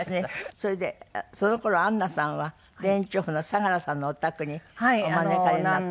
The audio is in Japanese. それでその頃安奈さんは田園調布の佐良さんのお宅にお招かれになって。